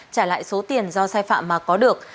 trả lại số tiền do sai phạm mà có được